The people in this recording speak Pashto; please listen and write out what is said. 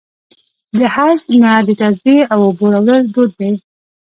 د حج نه د تسبیح او اوبو راوړل دود دی.